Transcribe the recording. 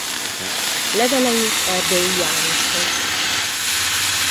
Levelei Erdélyi Jánoshoz.